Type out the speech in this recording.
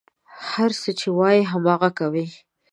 هر څه چې وايي، هماغه کوي.